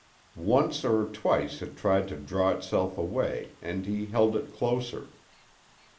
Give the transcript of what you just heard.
Once or twice it tried to draw itself away, and he held it closer.